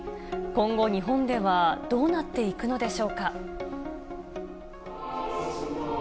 今後、日本ではどうなっていくのでしょうか。